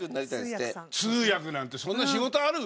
通訳なんてそんなに仕事ある？